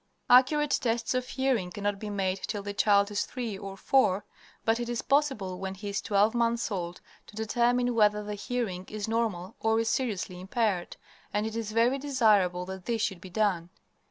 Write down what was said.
Accurate tests of hearing cannot be made till the child is three or four, but it is possible when he is twelve months old to determine whether the hearing is normal or is seriously impaired, and it is very desirable that this should be done.